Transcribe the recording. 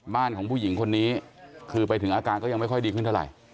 บ้านของผู้หญิงคนนี้คือไปถึงอาการก็ยังไม่ค่อยดีขึ้นเท่าไหร่